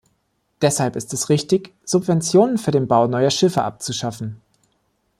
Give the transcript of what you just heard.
Deshalb ist es richtig, Subventionen für den Bau neuer Schiffe abzuschaffen.